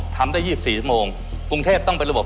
ทำได้๒๔ชั่วโมงกรุงเทพต้องเป็นระบบ